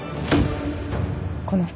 この２人。